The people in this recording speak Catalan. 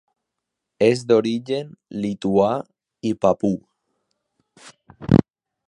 És d'origen lituà i papú.